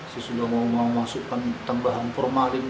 saya sudah mau memasukkan tambahan formalin